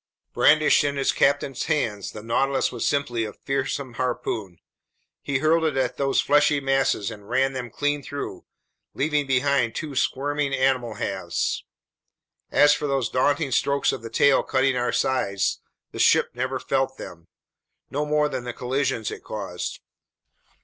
Brandished in its captain's hands, the Nautilus was simply a fearsome harpoon. He hurled it at those fleshy masses and ran them clean through, leaving behind two squirming animal halves. As for those daunting strokes of the tail hitting our sides, the ship never felt them. No more than the collisions it caused.